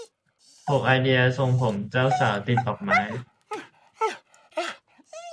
หก ไอเดียทรงผมเจ้าสาวติดดอกไม้